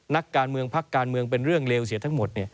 นักการเมืองพักการเมืองเป็นเรื่องเลวเสียทั้งหมด